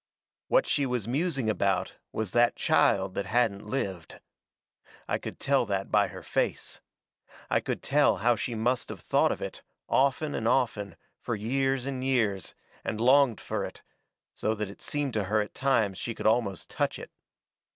What she was musing about was that child that hadn't lived. I could tell that by her face. I could tell how she must have thought of it, often and often, fur years and years, and longed fur it, so that it seemed to her at times she could almost touch it.